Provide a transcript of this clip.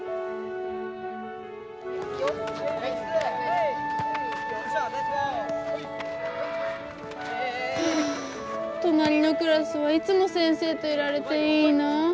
はぁとなりのクラスはいつも先生といられていいなあ。